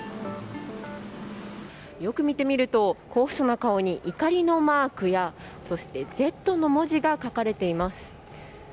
よく見てみると候補者の顔に怒りのマークやＺの文字が書かれています。